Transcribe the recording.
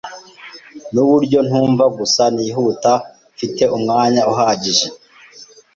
Nuburyo ntumva gusa nihuta. Mfite umwanya uhagije.